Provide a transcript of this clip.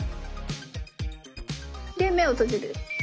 で目を閉じる。